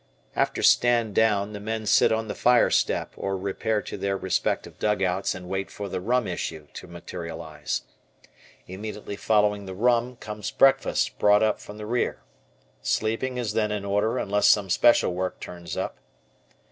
After "stand down" the men sit on the fire step or repair to their respective dugouts and wait for the "rum issue" to materialize. Immediately following the rum, comes breakfast, brought up from the rear. Sleeping is then in order unless some special work turns up.